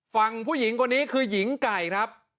ฝั่งผู้หญิงคนนี้คือหญิงไก่ครับ